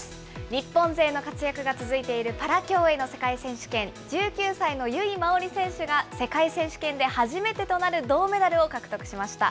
日本勢の活躍が続いている、パラ競泳の世界選手権、１９歳の由井真緒里選手が世界選手権で初めてとなる銅メダルを獲得しました。